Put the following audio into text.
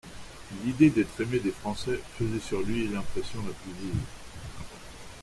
L'idée d'être aimé des Français faisait sur lui l'impression la plus vive.